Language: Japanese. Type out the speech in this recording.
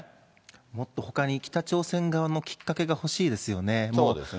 もっとほかに北朝鮮側のきっかけが欲しいですよね。